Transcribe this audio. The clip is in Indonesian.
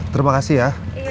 terima kasih ya